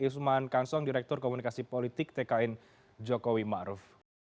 usman kansong direktur komunikasi politik tki jokowi maruf